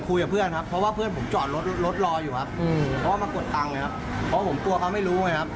ลูกว่ามันห้องคนวิการ